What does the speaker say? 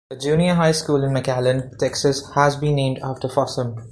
A Junior High School in McAllen, Texas has been named after Fossum.